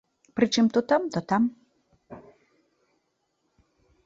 Прычым, то там, то там.